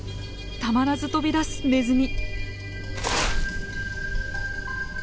たまらず飛び出すネズミ。